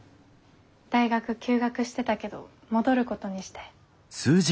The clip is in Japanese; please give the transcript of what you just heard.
大学休学してたけど戻ることにして。